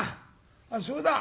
あっそうだ。